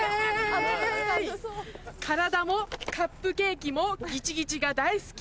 体もカップケーキもギチギチが大好き！